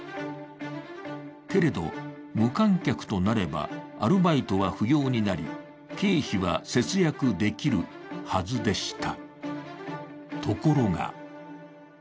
けれど、無観客となればアルバイトは不要になり、経費は節約できるはずでした。